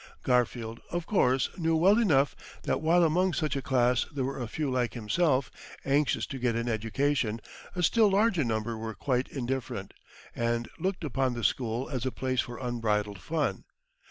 Garfield, of course, knew well enough that while among such a class there were a few like himself, anxious to get an education, a still larger number were quite indifferent, and looked upon the school as a place for unbridled fun.